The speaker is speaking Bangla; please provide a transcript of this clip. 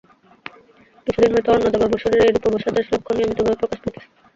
কিছুদিন হইতে অন্নদাবাবুর শরীরে এইরূপ অবসাদের লক্ষণ নিয়মিতভাবে প্রকাশ পাইতেছে।